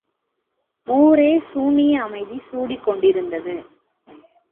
ஒரே சூனிய அமைதி குடிகொண்டிருந்தது.